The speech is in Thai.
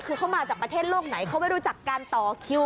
คือเขามาจากประเทศโลกไหนเขาไม่รู้จักการต่อคิว